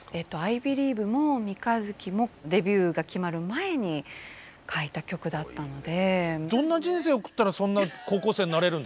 「Ｉｂｅｌｉｅｖｅ」も「三日月」もデビューが決まる前に書いた曲だったので。